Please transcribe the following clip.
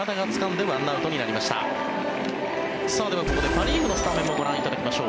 では、ここでパ・リーグのスタメンもご覧いただきましょう。